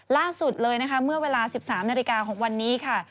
ล่าสุดเลยนะคะเมื่อเวลา๑๓นาฬิกาของวันนี้ค่ะ